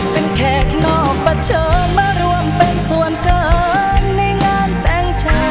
เป็นแขกนอกประเชิญมาร่วมเป็นส่วนเกินในงานแต่งเธอ